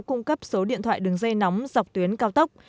cung cấp số điện thoại đường dây nóng dọc tuyến cao tốc